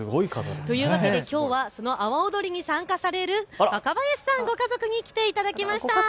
というわけできょうはその阿波踊りに参加される若林さんご家族に来ていただきました。